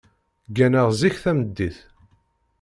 Gganeɣ zik tameddit.